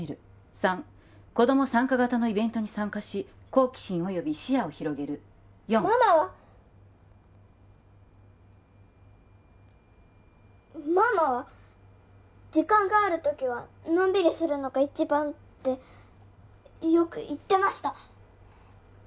３子供参加型のイベントに参加し好奇心および視野を広げる４ママはママは「時間がある時はのんびりするのが一番」ってよく言ってました